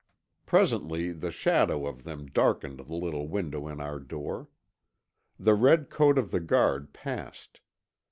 Presently the shadow of them darkened the little window in our door. The red coat of the guard passed.